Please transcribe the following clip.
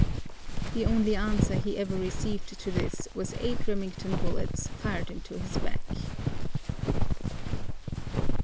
The only answer he ever received to this was eight Remington bullets fired into his back.